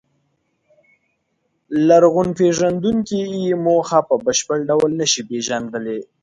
لرغونپېژندونکي یې موخه په بشپړ ډول نهشي پېژندلی.